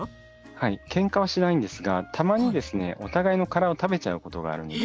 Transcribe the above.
はいケンカはしないんですがたまにですねお互いの殻を食べちゃうことがあるので。